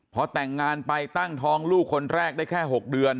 พอแต่งงานไปตั้งท้องลูกคนแรกได้แค่๖เดือน